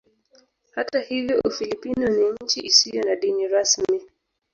Hata hivyo Ufilipino ni nchi isiyo na dini rasmi.